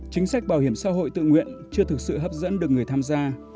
chính sách bảo hiểm xã hội tự nguyện chưa thực sự hấp dẫn được người tham gia